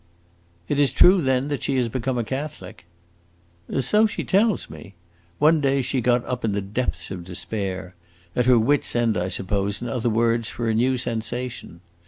"It is true, then, that she has become a Catholic?" "So she tells me. One day she got up in the depths of despair; at her wit's end, I suppose, in other words, for a new sensation.